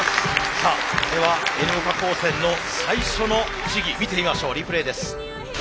さあではＮ岡高専の最初の試技見てましょうリプレーです。